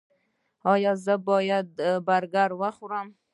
ایا زه باید برګر وخورم؟